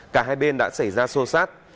cả hai bên đã xảy ra sô sát